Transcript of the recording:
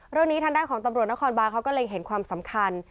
เรื่องนี้ทางด้านของตำรวจนครบานเขาก็เลยเห็นความสำคัญ